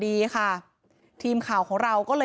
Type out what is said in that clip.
เหตุการณ์เกิดขึ้นแถวคลองแปดลำลูกกา